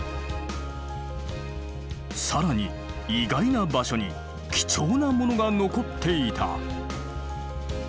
更に意外な場所に貴重なものが残っていた！